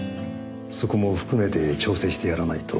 そこも含めて調整してやらないと。